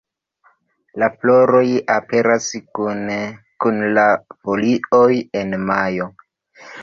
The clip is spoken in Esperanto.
La floroj aperas kune kun la folioj en majo.